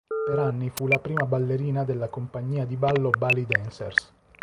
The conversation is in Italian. Per anni fu la prima ballerina della compagnia di ballo Bali Dancers.